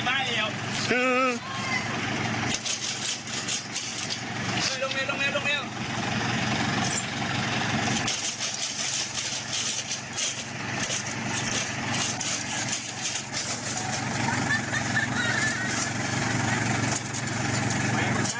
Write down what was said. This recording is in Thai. อย่าอย่านอนเหมือนพล่ะ